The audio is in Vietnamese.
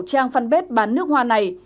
trang fanpage bán nước hoa này